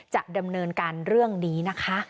จะดำเนินการเรื่องนี้นะคะ